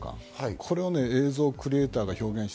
これを映像クリエイターが表現する。